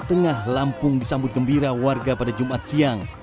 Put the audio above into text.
tengah lampung disambut gembira warga pada jumat siang